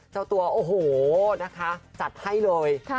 เจ้าตัวโอ้โหนะคะจัดให้เลย